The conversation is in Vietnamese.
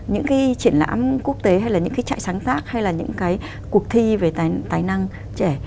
những cái triển lãm quốc tế hay là những cái trại sáng tác hay là những cái cuộc thi về tài năng trẻ